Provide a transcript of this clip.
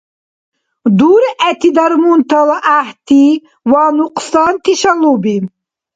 Дургӏети дармунтала гӏяхӏти ва нукьсанти шалуби